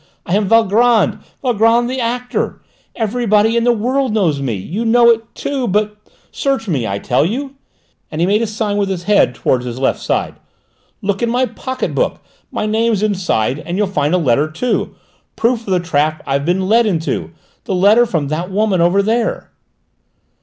"I am Valgrand, Valgrand the actor. Everybody in the world knows me. You know it too, but Search me, I tell you," and he made a sign with his head towards his left side. "Look in my pocket book; my name's inside; and you'll find a letter too; proof of the trap I've been led into: the letter from that woman over there!"